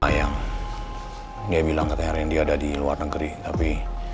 sayang dia bilang ketika randy ada di luar negeri tapi